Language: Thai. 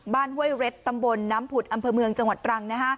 ห้วยเร็ดตำบลน้ำผุดอำเภอเมืองจังหวัดตรัง